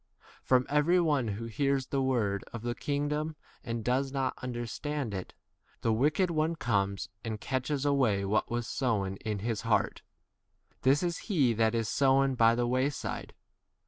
From every one who hears the word of the kingdom and does not understand [it], the wicked one comes and catches away what was sown in his heart : this is he that is sown 20 by the wayside.